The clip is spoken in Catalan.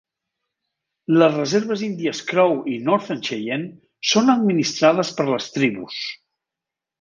Les reserves índies Crow i Northern Cheyenne són administrades per les tribus.